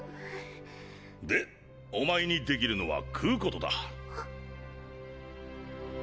でお前にできるのは食うことだ。っ！